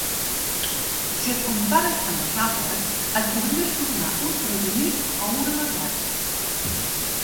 Si et compares amb els altres, et podries tornar un presumit o un amargat